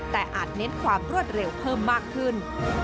แต่อาจเน้นความรวดเร็วเพิ่มมากขึ้น